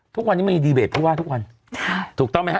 ทุกวันนี้มันมีดีเบตผู้ว่าทุกวันถูกต้องไหมฮ